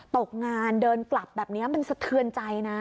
ตกงานเดินกลับแบบนี้มันสะเทือนใจนะ